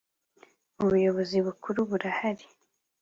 ubuyobozi bukuru burahari.